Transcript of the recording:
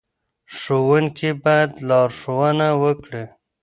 ښوونکي باید لارښوونه وکړي.